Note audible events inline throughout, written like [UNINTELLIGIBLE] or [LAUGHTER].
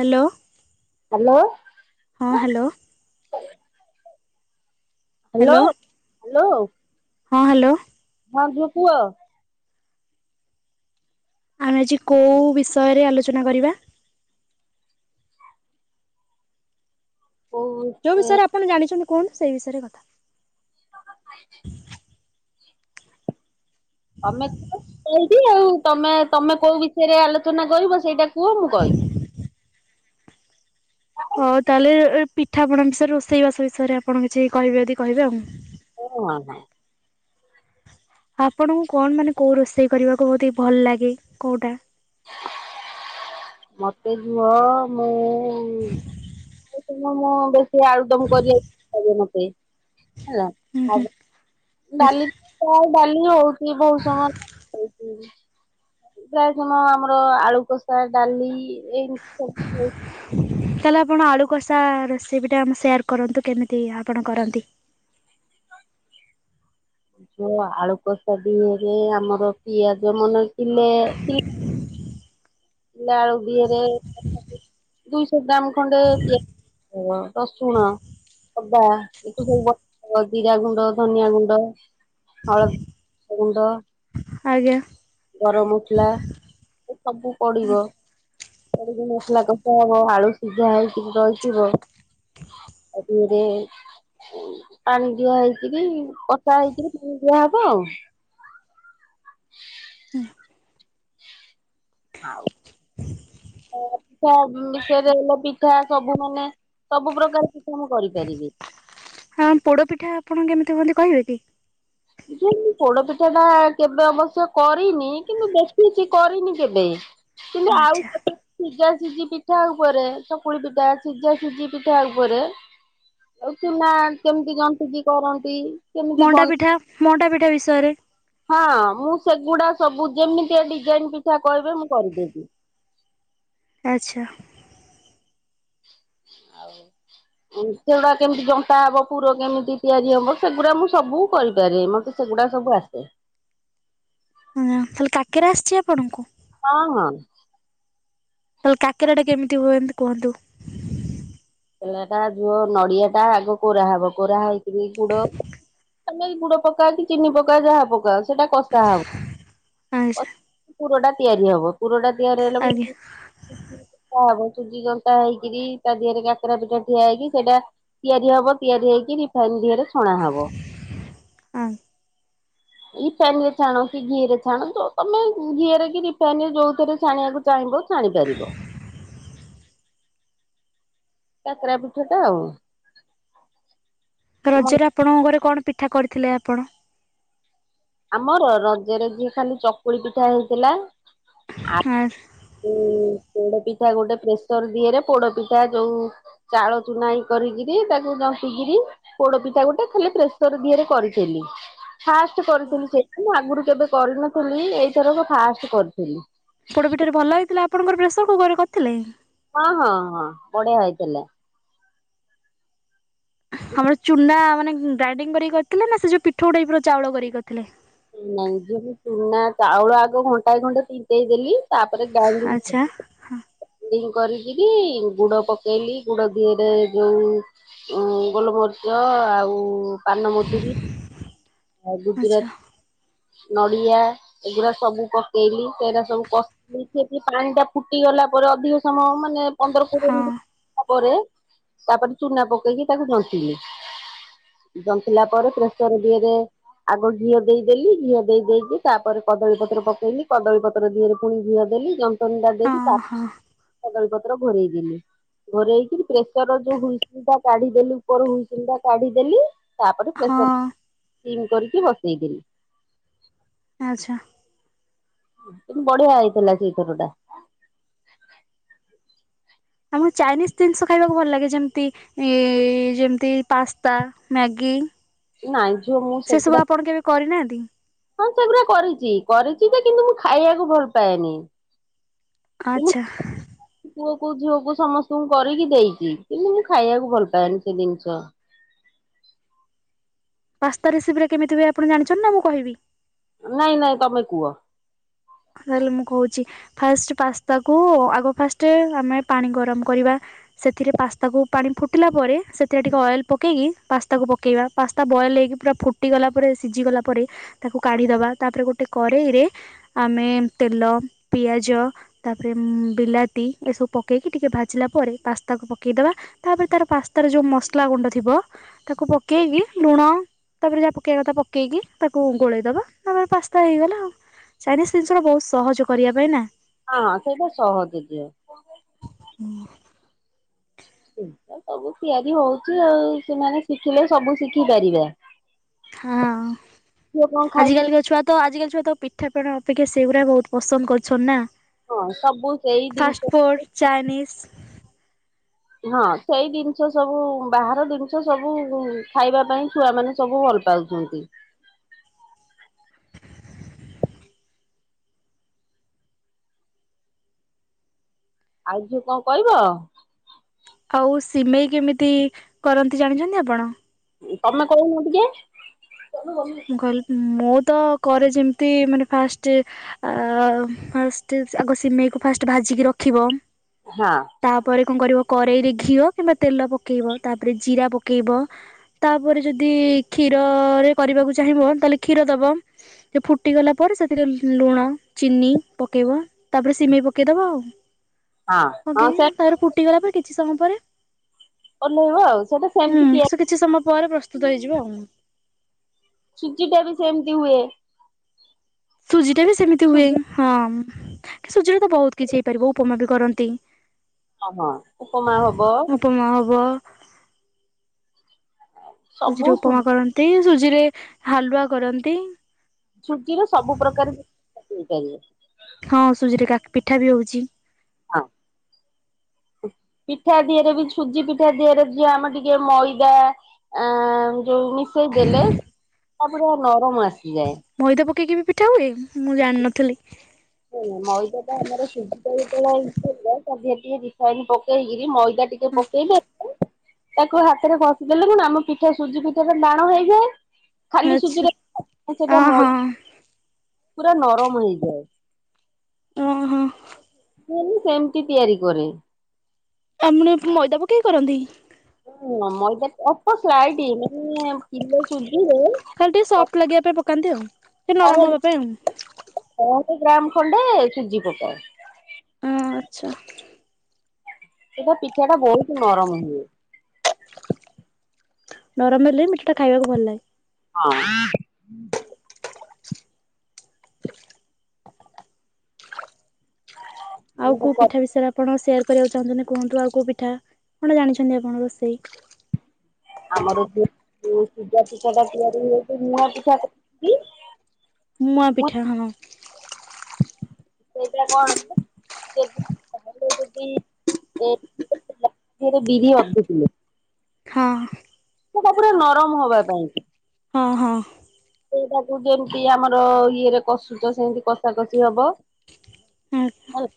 Hello. Hello. ହଁ hello. Hello hello hello. ହଁ hello. ହଁ ଝୁଅ କୁହ। ଆମେ ଆଜି କୋଉ ବିଷୟରେ ଆଲୋଚନା କରିବା? କହୁ ଯୋଉ ବିଷୟରେ ଆପଣ ଜାଣିଛନ୍ତି କୁହନ୍ତୁ ସେ ବିଷୟରେ କଥା। [UNINTELLIGIBLE] ତମେ କୁହ କହିବି ଆଉ ତମେ ତମେ କୋଉ ବିଷୟରେ ଆଲୋଚନା କରିବ ସେଇଟା କୁହ ମୁଁ କହିବି। ହଉ ତାହେଲେ ପିଠାପଣା ବିଷୟରେ ରୋଷେଇବାସ ବିଷୟରେ ଆପଣ କିଛି କହିବେ ଯଦି କହିବେ ଆଉ। ଓ ହଁ ହଁ। ଆପଣଙ୍କୁ କଣ ମାନେ କୋଉ ରୋଷେଇ କରିବାକୁ ବହୁତି ଭଲ ଲାଗେ କୋଉଟା? ମତେ ଝୁଅ ମୁଁ ମୁଁ ବେଶି ସେ ଆଳୁଦମ କରିବାକୁ ଲାଗେ ମତେ ହେଲା ହୁଁ ହୁଁ। କାଲି ଚା ଡାଲି ହଉଛି ବହୁତ ସମୟ ପ୍ରାୟ ସମୟ ଆମର ଆଳୁ କଷା, ଡାଲି ଏମିତି ସବୁ [INAUDIBLE] ତାହେଲେ ଆପଣ ଆଳୁ କଷା ରେସିପି ଟା ଆମ ସେୟାର କରନ୍ତୁ କେମିତି ଆପଣ କରନ୍ତି? ଆଳୁ କଷା ଦିହେରେ ଆମର ପିଆଜ ମନେ କିଲେ ଶୁଖିଲା ଆଳୁ ଦିହେରେ ଦୁଇଶହ ଗ୍ରାମ ଖଣ୍ଡେ ପିଆଜ ରସୁଣ ଅଦା ଆକୁ ସବୁ ବଟାହବ ଜୀରା ଗୁଣ୍ଡ, ଧନିଆ ଗୁଣ୍ଡ ହଳଦୀ ଗୁଣ୍ଡ ଆଜ୍ଞା। ଗରମମସଲା ଏ ସବୁ ପଡିବ। ସାଡକୁ ମସାଲା କଶା ହବ ଆଳୁ ଶିଝା ହେଇକି ରହିଥିବ। ଆରେ ଆରେ ପାଣି ଦିଆ ହେଇକିରି କଷା ହେଇକିରି ଦିଆହବ ଆଉ। [INAUDIBLE] [INAUDIBLE] ଆଉ ପିଠା ବିଷରେ ପିଠା ସବୁ ମାନେ ସବୁ ପ୍ରକାର ପିଠା ମୁଁ କରିପାରିବି। ହଁ ପୋଡ ପିଠା ଆପଣ କେମିତି ହୁଅନ୍ତି କହିବେ କି? ଯେ ମୁ ପୋଡ ପିଠା ଟା କେବେ ଅବଶ୍ୟ କରିନି କିନ୍ତୁ ଦେଖିଛି କରିନି କେବେ। କିନ୍ତୁ ଆଉ ଆଚ୍ଛା ସବୁ ଶିଯା ସିଜି ପି - ପିଠା ଉପରେ ଚକୁଳି ପିଠା ସିଯା ଶିଯି ପିଠା ଉପରେ - ଏଇ ଚୂନା କେମିତି ଜନ୍ତିକି କରନ୍ତି କେମିତି ମଣ୍ଡା ବନ ପିଠା ମଣ୍ଡା ପିଠା ବିଷୟରେ ହଁ ମୁଁ ସେଗୁଡା ସବୁ ଯେମିତିଆ ଡିଜାଇନ୍ ପିଠା କହିବେ ମୁଁ କରିଦେବି। ଆଚ୍ଛା। ଆଉ। [INAUDIBLE] ସେଗୁଡା କେମିତି ଜନ୍ତା ହବ ପୁର କେମିତି ତିଆରି ହବ ସେଗୁରା ମୁଁ ସବୁ କରି ପାରେ ମତେ ସେଗୁଡା ସବୁ ଆସେ। ହଁ ଖାଲି କାକେରା ଆସିଛି ଆପଣଙ୍କୁ? ହଁ ହଁ। ତାହାଲେ କାକେରା ଟା କେମିତି ହୁଏନ୍ତ କୁହନ୍ତୁ। ପେଲାଟା ଝୁଅ ନଡ଼ିଆଟା ଆଗ କୋରା ହବ କୋରା ହେଇ କିରି ଗୁଡ଼ - ତମେଇ ଗୁଡ ପକା କି ଚିନି ପକା ଯାହା ପକା ସ ସେଟା କଷା ହବ ଆଚ୍ଛା କ ପୁର ଟା ତିଆରି ହବ। ପୁରଟା ତିଆରି ହେଲା ଆଜ୍ଞା [UNINTELLIGIBLE] ସୁଜି ଯନ୍ତା ହେଇକିରି ତା ଦେହେରେ ଗାତ କାକେରା ପିଠା ଠିଆ ହେଇକି ସେଟା ତିଆରି ହବ ତିଆରି ହେଇକି ରିଫାଇନ ଦିହରେ ଛଣା ହବ। ଆଜ୍ଞା [INAUDIBLE] ରିଫାଇନ ରେ ଛଣା କି ଘିଅ ରେ ଛଣା ଯ ତମେ ଘିଅ ରେ କି ରିଫାଇନ ରେ ଯୋଉଥିରେ ଛାଣିବାକୁ ଚାହିଁବ ଛାଣି ପାରିବ। କାକେରା ପିଠା ଟା ଆଉ। ଆମ ରଜରେ ଆପଣଙ୍କ ଘରେ କଣ ପିଠା କରିଥିଲେ ଆପଣ? ଆମର ରଜରେ ଝିଅ ଖାଲି ଚକୁଳି ପିଠା ହେଇଥିଲା। ହାସ। ପୋଡପିଠା ଗୋଟେ ପ୍ରେସର ଦିଏରେ ପୋଡପିଠା ଯୋଉ- ଚାଉଳ ଚୁନା ଇ କରିକିରି ତାକୁ ଜନ୍ତିକିରୀ - ପୋଡ ପିଠା ଗୋଟେ ଖାଲି ପ୍ରେସର୍ ଦିହରେ କରିଥିଲି। ଫାଷ୍ଟ କରିଥିଲି ସେ ମୁଁ ଆଗରୁ କେବେ କରିନଥିଲି ଏଇଥରକ ଫାଷ୍ଟ କରିଥିଲି। ପୋଡ଼ ପିଠା ରେ ଭଲ ହେଇଥିଲା ଆପଣଙ୍କର ପ୍ରେସର୍ କୁକର ରେ କରିଥଲେ? ହଁ ହଁ ହଁ ବଢିଆ ହେଇଥିଲା। ଆମର ଚୁନା ମାନେ ଗ୍ରାଇଣ୍ଡିଙ୍ଗ କରିକି କରିଥିଲେ ନା ସେ ଯଉ ପିଠୋଉ ଟାଇପ୍ ର ଚାଉଳ କରିକି କରିଥିଲେ? ନାଇଁ ଯୁଗୁ ଚୁନା ଚାଉଳ ଆଗ ଘଣ୍ଟାଏ ଖଣ୍ଡେ ତିନ୍ତେଇ ଦେଲି ତା ପରେ ଗ୍ରାଇଣ୍ଡିଙ୍ଗ [UNINTELLIGIBLE] ଆଚ୍ଛା ଗ୍ରାଇଣ୍ଡିଙ୍ଗ କରିକରି ଗୁଡ ପକେଇଲି ଗୁଡ ଦହରେ ଯୋଉ ଉଁ ଗୋଲ ମରିଚ ଆଉ ପାନମଧୁୁରି ଆଉ ଆଚ୍ଛା ଗୁଜୁରାତ ନଡିଆ ଏଗୁରା ସବୁ ପକେଇଲି ସେରା ସବୁ କ ମିସେଇକି ପାଣି ଟା ଫୁଟି ଗଲା ପରେ ଅଧିକ ସମୟ ମାନେ ପନ୍ଦର କୋଡ଼ିଏ ହଁ ମିନିଟ୍ - ତା ପରେ ତାପରେ ଚୁନା ପକେଇକି ତାକୁ ଜନ୍ତିଲି। ଜନ୍ତିଲା ପରେ ପ୍ରେସର୍ ଦିଏରେ ଆଗ ଘିଅ ଦେଇଦେଲି ଘିଅ ଦେଇ ଦେଇକି ତାପରେ କଦଳୀପତ୍ର ପକେଇଲି କଦଳୀ ପତ୍ର ଦିହରେ ପୁଣି ଘିଅ ଦେଲି ଜ ତଣ୍ଡା ହଁ ଦେଇକି ତା ହଁ କଦଳୀ ପତ୍ର ଘୋରେଇ ଦେଲି। ଘୋରେଇକିରି ପ୍ରେସର ଯୋଉ ହୁଇସିଲ୍ ଟା କାଢିଦେଲି ଉପର ହୁଇସିଲ ଟା କାଢିଦେଲି। ତାପରେ ପ୍ରେସର୍ ହଁ ସିମ୍ କରିକି ବସେଇ ଦେଲି। ଆଚ୍ଛା ବଢିଆ ହେଇଥିଲା ସେଇ ଥରଟା। ଆମକୁ ଚାଇନିଜ ଜିନିଷ ଖାଇବାକୁ ଭଲ ଲାଗେ ଯେମତି ଏ ଯେମିତି ପାସ୍ତା ମ୍ୟାଗି। ଟା ନାଇଁ ଝିଅ ମୁଁ ସେ ସବୁ ସେଗୁଡା ଆପଣ କେବେ କରିନାହାନ୍ତି? ହଁ ସେଗୁରା କରିଚି। କରିଚି ଯେ କିନ୍ତୁ ମୁଁ ଖାଇଆକୁ ଭଲ ପାଏନି। ଆଚ୍ଛା। ପୁଅ କୁ ଝିଅକୁ ସମସ୍ତଙ୍କୁ କରିକି ଦେଇଚି କିନ୍ତୁ ମୁଁ ଖାଇବାକୁ ଭଲ ପାଏନି ସେ ଜିନଷ। ପାସ୍ତା ରେସିପିଟା କେମିତି ହୁଏ ଆପଣ ଜାଣିଛନ୍ତି ନାଁ ମୁଁ କହିବି? ନାଇଁ ନାଇଁ ତମେ କୁଅ। ତାହେଲେ ମୁଁ କହୁଚି ଫାଷ୍ଟ ପାସ୍ତାକୁ ଆଗ ଫାଷ୍ଟେ ଆମେ ପାଣି ଗରମ କରିବା। ସେଥିରେ ପାସ୍ତାକୁ ପାଣି ଫୁଟିଲା ପରେ ସେଥିରେ ଟିକେ ଅଏଲ୍ ପକେଇକି ପାସ୍ତାକୁ ପକେଇବା। ପାସ୍ତା ବଏଲ୍ ହେଇକି ପୁରା ଫୁଟିଗଲା ପରେ ସିଝିଗଲା ପରେ ତାକୁ କାଢିଦବା। ତାପରେ ଗୋଟେ କରେେଇରେ ଆମେ ତେଲ ପିଆଜ ତାପରେ ବିଲାତି ଏସବୁ ପକେଇକି ଟିକେ ଭାଜିଲା ପରେ ପାସ୍ତାକୁ ପକେଇଦବା। ତାପରେ ତାର ପାସ୍ତାର ଯୋଉ ମସଲା ଗୁଣ୍ଡ ଥିବ ତାକୁ ପକେଇକି ଲୁଣ ତାପରେ ଯାହା ପକେଇବା କଥା ପକେଇକି ତାକୁ ଗୋଳେଇ ଦବା ତାପରେ ପାସ୍ତା ହେଇଗଲା ଆଉ। ଚାଇନିଜ ଜିନିଷ ଗୁ ରା ବହୁତ୍ ସହଜ କରିବା ପାଇଁ ନା? ହଁ ହଁ ସେଇଟା ସହଜ ଝଅ। ହୁଁ। ସବୁ ତିଆରି ହଉଚି ଆଉ ସେମାନେ ଶିଖିଲେ ସବୁ ଶିଖି ପାରିବା। ହଁ ଝିଅ କଣ ଆଜିି ଖାଇଚି କାଲିିକା ଛୁଆ। ତ ଆଜିକାଲି ଛୁଆ ତ ପିଠାପଣା ଅପେକ୍ଷା ସେଗୁରା ବହୁତ୍ ପସନ୍ଦ କରିଛନ୍ତି ନା। ହଁ ସବୁ ସେଇ ଜିନିଷ ଫାଷ୍ଟ ଫୁଡ଼ ଚାଇନିଜ୍। ହଁ ସେଇ ଜିନିଷ ସବୁ ବାହାର ଜିନିଷ ସବୁ ଖାଇବା ପାଇଁ ଛୁଆ ମାନେ ସବୁ ଭଲ ପାଉ ହଁନ୍ତି। ଆଉ କିଏ କଣ କହିବ? ଆଉ ସିମେଇ କେମିତି କରନ୍ତି ଜାଣିଛନ୍ତି ଆପଣ? ତମେ କହୁନୁ ଟିକେ। ମୁଁ ମୁଁ ତ କରେ ଯେମିତି ମାନେ ଫାଷ୍ଟ୍ ଆ ଫାଷ୍ଟ ଆଗ ସିମେଇକୁ ଫାଷ୍ଟ ଭାଜିକି ରଖିବ। ହଁ। ତାପରେ କଣ କରିବ କରେଇରେ ଘିଅ କିମ୍ବା ତେଲ ପକେଇବ। ତାପରେ ଜିରା ପକେଇବ। ତାପରେ ଯଦି କ୍ଷୀରରେ କରିବାକୁ ଚାହିଁବ ତାହେଲେ କ୍ଷୀର ଦବ। ସେ ଫୁଟିଗଲା ପରେ ସେଥିରେ ଲୁଣ ଚିନି ପକେଇବ। ତାପରେ ସିମେଇ ପକେଇଦବ ଆଉ। ହଁ ହଁ ପକେଇ ସେ ତାର ଫୁଟିଗଲା ପରେ କିଛି ସମୟ ପରେ ଓହ୍ଲେଇବ ଆଉ ସେଟା ହୁଁ ସେମତି ତିଆ ସେ କିଛି ସମୟ ପରେ ପ୍ରସ୍ତୁତ ହେଇଯିବ ଆଉ ସୁଜି ଟା ବି ସେମତି ହୁଏ। ସୁଜି ଟା ବି ସେମିତି ହୁଏ। ସୁଜି ହଁ କି ସୁଜିରେ ତ ବହୁତ କିଛି ହେଇପାରିବ ଉପମା ବି କରନ୍ତି। ଅ ହଁ ଉପମା ହବ। ଉପମା ହବ। ସୁଜି ସବୁ ରେ ସୁ ଉପମା କରନ୍ତି। ସୁଜି ରେ ହାଲୁଆ କରନ୍ତି। ସୁଜିର ସବୁ ପ୍ରକାର ହେଇପାରିବ। ହଁ ସୁଜିରେ କାକ୍ ପିଠା ବି ହଉଚି। ହଁ। ପିଠା ଦିହରେ ବି ସୁଜି ପିଠା ଦିହରେ ଯାଆମ ଟିକେ ମଇଦା ଆଁ ଯୋଉ ମିଶେଇ ଦେଲେ ଠା ପୁରା ନରମ ଆସିଯାଏ। ମଇଦା ପକେଇକି ବି ପିଠା ହୁଏ କି? ମୁଁ ଜାଣିନଥିଲି। ମଇଦାଟା ଆମର [UNINTELLIGIBLE] ତା ଦିହେରେ ଟିକେ ରିଫାଇନି ପକେଇକିରି ମଇ ଲୁଗା ଟିକେ ପକେଇଲେ ହୁଁ। ତାକୁ ହାତରେ ଘଷିଦେଲେ ଆମ ପିଠା ସୁଜି ପିଠା ଟାଣ ହେଇଯାଏ। ଖାଲି ଆଚ୍ଛା। ସୁଜିରେ ଅ ସେଟା ମଇ ହଁ ପୁରା ନରମ ହେଇଯାଏ। ହଁ ହଁ। ମୁଁ ବି ସେମିତି ତିଆରି କରେ। ମାମୁନି ଅପା ମଇଦା ପକେଇ କରନ୍ତି। ହଁ ମଇଦା ଅପ ସ୍ଲାଇଡ୍ ମାନେ ଚୁଲିରେ ଖାଲି ଟିକେ ସଫ୍ଟ ଲାଗିବା ପାଇଁ ପକାନ୍ତି ଆଉ ଟିକେ ନରମ ହେବା ପାଇଁ ଆଉ ଅଢେଇ ଗ୍ରାମ ଖଣ୍ଡେ ସୁଜି ପକାଅ ଅ ଆଚ୍ଛା। ସେଇଟା ପିଠାଟା ବହୁତ ନରମ ହୁଏ। ନରମ ହେଲେ ମିଠାଟା ଖାଇବାକୁ ଭଲ ଲାଗେ। ହଁ। ଆଉ କୋଉ ହଁ ପିଠା ବିଷୟରେ ଆପ ଆପଣ ସେୟାର କରିବାକୁ ଚାହୁଁଛନ୍ତି କୁହନ୍ତୁ ଆଉ କୋଉ ପିଠା କଣ ଜାଣିଛନ୍ତି ଆପଣ ରୋଷେଇ ଆମର ଯୋଉ ପୂଜା ପିଠାଟା ତିଆରି ହଛି ମୁଆଁ ପିଠା ମୁଆଁ ମୁଁ ପିଠା ହଁ ସେଇଟା କଣ [INAUDIBLE] ସେଥିରେ ବିରି ଅଧେ କିଲେ ହଁ। ପିଠା ତା ପୁରା ନରମ ହବା ପାଇଁ। ହଁ। ସେଇଟାକୁ ଯେମିତି ଆମର ଇଏରେ କଷୁଛ ସେମିତି କଷା କଷି ହବ। ଆଛା ହେଲା।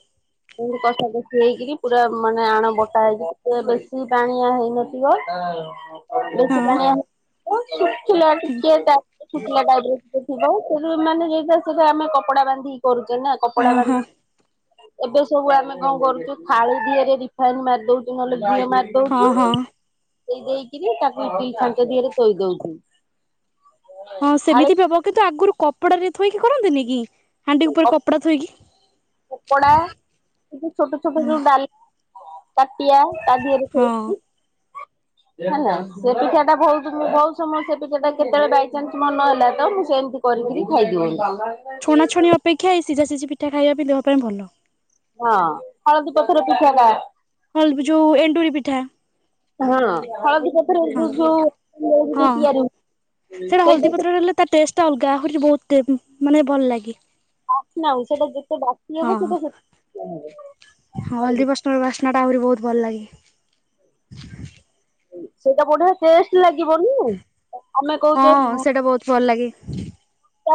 କଷା କଷି ହେଇକରି ପୁରା ମାନେ ଆଣ ବଟା ହେଇକି ବେଶୀ ପାଣିଆ ହେଇନଥି ହଁ ବେଶୀ ପାଣିଆ ହେଇନଥିବ ଶୁଖିଲା ଟିକେ ଟା ଶୁଖିଲା ଟାଇପର୍ ସେ ଥିବ ମାନେ ସେଟା ଆମେ କପଡା ବାନ୍ଧି କରୁଛେ ନା ହଁ କପଡା ହଁ। ବାନ୍ଧି ଏବେ ସବୁ ଆମେ କଣ କରୁଛେ ଥାଳି ଦିହରେ ରିଫାଇନ ମାରିଦଉଛେ ନହେଲେ ଘିଅ ହଁ ଦଉଛୁ ହଁ ଦେଇ ଦେଇକରି ତାକୁ ଇଟଲୀ ଛାଞ୍ଚ ଦିହରେ ଥୋଇ ଦଉଛୁ। ହ ଥାଳି ସେମିତି ବି ହବ କିନ୍ତୁ ଆଗରୁ କପଡା ରେ ଥୋଇକି କରନ୍ତିନି କି? ହାଣ୍ଡି ଉପରେ କପଡ଼ା ଥୋଇକି କପଡା ଛୋଟ ଛୋଟ ଯୋଉ ଡାଲା ତାଟିଆ ତା ଦିହରେ ହଁ। ଥୋଇକି [UNINTELLIGIBLE] ହେ ନା ସେ ପିଠାଟା ବହୁତ ବହୁତ ସମୟ ସେ ପିଠାଟା କେତେବେଳେ ବାଇଚାନ୍ସ ମନ ହେଲା ତ ମୁଁ ସେମିତି କରିକିରି ଖାଇଦିଏ। ଛଣାଛଣି ଅପେକ୍ଷା ଏଇ ସିଝା ସିଝି ପିଠା ଖାଇବା ବି ଦେହ ପାଇଁ ଭଲ। ହଁ ହଳଦୀ ପତର ପିଠାଟା। ଏ ଯୋଉ ଏଣ୍ଡୁରି ପିଠା। ହଁ ହଳଦୀ ପତ୍ରରେ ହଁ ଯୋଉ ଯୋଉ ତିଆରି ଆଉ ହୁଏ। ରହିଲା ତା ଟେଷ୍ଟ ଅଲଗା ଆହୁରି ବହୁତ ଟେପ ମାନେ ଭଲ ଲାଗେ। ବାସ୍ନା ଆଉ ସେଟା ଯେତେ ବାସି ହଁ ହେବ ସେତେ ହୁଁ ବାସ୍ନାଟା ଆହୁରି ବହୁତ ଭଲ ଲାଗେ। ସେଇଟା ବଢ଼ିଆ ଟେଷ୍ଟ ଲାଗିବନି ଆମେ ହଁ କହୁଛେ ସେଇଟା ବହୁତ ଭଲ ଲାଗେ।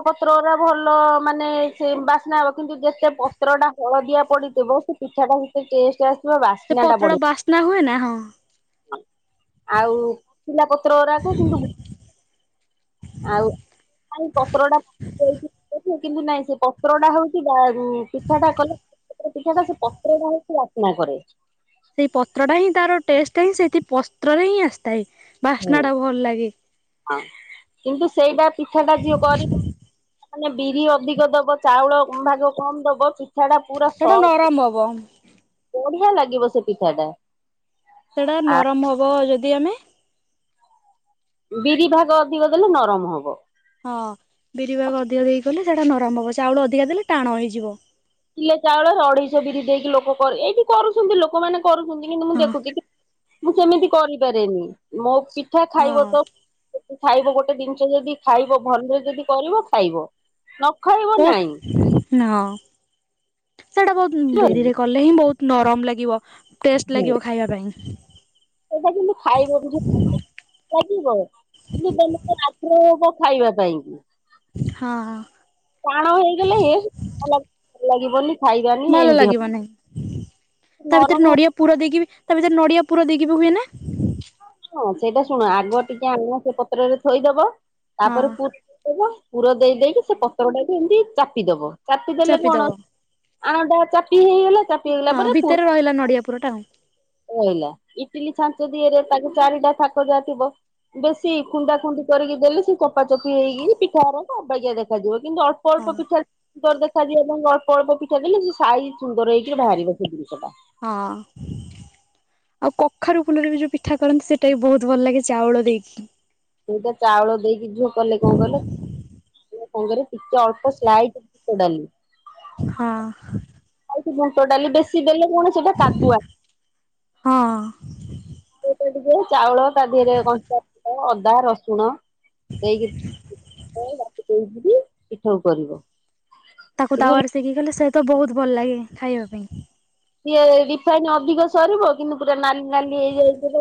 ପତ୍ରଗୁରା ଭଲ ମାନେ ସେ ବାସ୍ନା ହବ କିନ୍ତୁ ଯେତେ ପତ୍ରଟା ହଳଦିଆ ପଡିଥିବ ପିଠାଟା ହେତେ ଟେଷ୍ଟ ଆ ସେ ପତ୍ରଟା ବାସ୍ନା ହୁଏ ନା ହଁ। ଆଉ ପିଲା ପତ୍ର ଗୁରାକ କିନ୍ତୁ ଆଉ ପତ୍ରଟା [UNINTELLIGIBLE] କିନ୍ତୁ ନାଇଁ ସେ ପତ୍ରଟା ହଉଛି ଗା ଉ-ଉ ପିଠାଟା କଲେ ସେଥିରେ ପିଠାଟା ସେ ପତ୍ରଟା ହଉଛି ବାସ୍ନା କରେ। ସେଇ ପତ୍ରଟା ହିଁ ତାର ଟେଷ୍ଟ ହିଁ ସେଇଠି ପତ୍ରରେ ହିଁ ଆସିଥାଏ ହୁଁ ବାସ୍ନାଟା ଭଲ ଲାଗେ। କିନ୍ତୁ ସେଇବା ପିଠାଟା ଯିଏ କରି ମାନେ ବିରି ଅଧିକ ଦବ ଚାଉଳ ଭାଗ କମ୍ ଦବ ଚି ପିଠାଟା ପୁରା ସେଟା ସଫ୍ଟ ନରମ ହବ। ବଢିଆ ଲାଗିବ ସେ ପିଠା ଟା। ସେଟା ଆ ନରମ ହବ ଯଦି ଆମେ ବିରି ଭାଗ ଅଧିକ ଦେଲେ ନରମ ହବ। ହଁ ବିରି ଭାଗ ଅଧିକ ଦେଇକି କଲେ ସେଟା ନରମ ହବ ଚାଉଳ ଅଧିକା ଦେଲେ ଟାଣ ହେଇଯିବ। କିଲେ ଚାଉଳର ଅଢେଇଶ ବିରି ଦେଇକି ଲୋକ କର ଏଇଠି କରୁଛନ୍ତି ଲୋକମାନେ କରୁଛନ୍ତି କିନ୍ତୁ ମୁଁ ହଁ ଦେଖୁଛି ମୁଁ ସେମିତି କରିପାରେନି ମୋ ପି ପିଠା ଖାଇବ ହଁ ତ ଖାଇବ ଗୋଟେ ଜିନିଷ ଯଦି ଖାଇବ ଭଲରେ ଯଦି କରିବ ଖାଇବ। ନ ଖାଇବ ନାଇଁ ବହୁତ ନା ସେଟା ବହୁତ ବିରିରେ କଲେ ହିଁ ବହୁତ ନରମ ଲାଗିବ ଟେଷ୍ଟ ଲାଗିବ ଖାଇବା ପାଇଁ। ସେଇଟା କିନ୍ତୁ ଖାଇବ [UNINTELLIGIBLE] ଲାଗିବ [UNINTELLIGIBLE] ଖାଇବା ପାଇଁ କି। ହଁ, ହଁ। ଟାଣ ହେଇଗଲେ ହେ [UNINTELLIGIBLE] ଲାଗିବନି। ଖାଇବାନି ଭଲ ଏମତି ଲାଗିବ ନାହିଁ। ହବ ତା ଭିତରେ ନରମ ନଡିଆ ପୁର ଦେଇକି ବି ତା ଭିତରେ ନଡିଆ ପୁର ଦେଇକି ହୁଏ ନା? ହଁ ସେଇଟା ଶୁଣ ଆଗ ଟିକେ ଆମ ସେ ପତ୍ରରେ ଥୋଇଦବ ହଁ ତାପରେ ପୁ ଦବ। ପୁର ଦେଇ ଦେଇକି ସେ ପତ୍ରଟାକୁ ଏମିତି ଚାପିଦବ ଚାପିଦେଲେ ଚାପିଦବ। କଣ ଆଣଟା ଚାପି ହେଇଗଲା ଚାପି ହେଇଗଲା ହଁ ପରେ ପୁ ଭିତରେ ରହିଲା ନଡିଆ ପୁରଟା ଆଉ ରହିଲା ଇଟିଲି ଛାଞ୍ଚ ଦିଏରେ ତାକୁ ଚାରିଟା ଥାକ ଯା ଥିବ। ବେଶୀ ଖୁନ୍ଦା ଖୁନ୍ଦି କରିକି ଦେଲେ ସେ କପା ଚୋପି ହେଇକି ପିଠାରକ ଅବାଗିଆ ଦେଖାଯିବ କିନ୍ତୁ ଅ ହଁ ଅଳ୍ପ ପିଠା ସୁନ୍ଦର ଦେଖା ଯିବ ଏବଂ ଅଳ୍ପ ଅଳ୍ପ ପିଠା ଦେଲେ ସେ ସାଇଜ୍ ସୁନ୍ଦର ହେଇକିରି ବାହାରିବ ସେ ଜିନିଷଟା। ହଁ। ଆଉ କଖାରୁ ଫୁଲରେ ବି ଯୋଉ ପିଠା କରନ୍ତି ସେଟା ବି ବହୁତ ଭଲ ଲାଗେ ଚାଉଳ ଦେଇକି। ସେଇଟା ଚାଉଳ ଦେଇକି ଝିଅ କଲେ କଣ କହିଲ ସେଟା କଣ କରିବେ ଟିକେ ଅଳ୍ପ ସ୍ଲାଇଡ। [UNINTELLIGIBLE] ହଁ। ବୁଟ ଡାଲି ବେଶୀ ଦେଲେ କଣ ସେଟା କାଦୁଆ। ହଁ। ସେଇଥିରେ ଟିକେ ଚାଉଳ ତା ଦେହରେ କଞ୍ଚା [UNINTELLIGIBLE] ଅଦା, ରସୁଣ ଦେଇକି [UNINTELLIGIBLE] ରଖିଦେଇକରି ପିଠଉ କରିବ। ତାକୁ କିନ୍ତୁ ତାୱାରେ ଶେଖି ଗଲେ ସେ ତ ବହୁତ ଭଲ ଲାଗେ ଖାଇବା ପାଇଁ। ସିଏ ରିଫାଇନ ଅଧିକ ସରୁର କିନ୍ତୁ ପୁରା ନାଲି ନାଲି ହେଇଯାଇଥିବ।